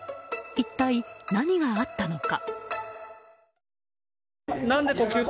一体、何があったのか？